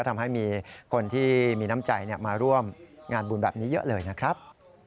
ทำให้มีคนที่มีน้ำใจมาร่วมงานบุญแบบนี้เยอะเลยนะครับ